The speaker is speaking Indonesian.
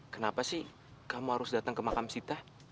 kenapa sih kamu harus datang ke makam sita